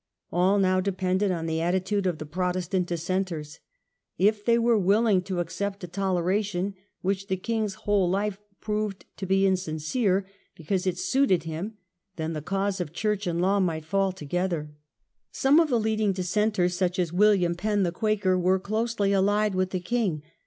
All now depended on the attitude of the Protestant Dissenters. If they were willing to accept a Toleration, The Dis which the king's whole life proved to be senters. insincere, because it suited him, then the cause of church and law might fall together. Some of the leading Dissenters, such as William Penn, the Quaker, were closely allied with the king.